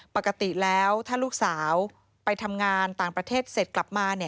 ปกติแล้วถ้าลูกสาวไปทำงานต่างประเทศเสร็จกลับมา